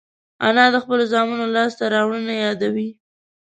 انا د خپلو زامنو لاسته راوړنې یادوي